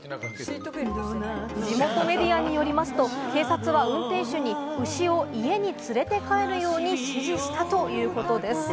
地元メディアによりますと、警察は運転手に、牛を家に連れて帰るように指示したということです。